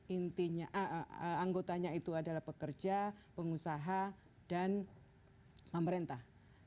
intinya anggotanya itu adalah pekerja pengusaha dan pemerintah